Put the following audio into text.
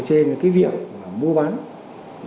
cái việc mua bán